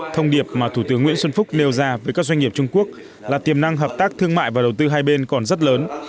thông điệp mà thủ tướng nguyễn xuân phúc nêu ra với các doanh nghiệp trung quốc là tiềm năng hợp tác thương mại và đầu tư hai bên còn rất lớn